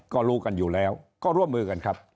ก็รู้กันอยู่แล้วก็ร่วมมือกันครับ